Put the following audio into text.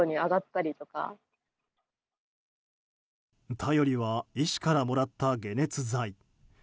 頼りは医師からもらった解熱剤。